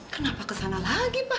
kenapa kesana lagi pak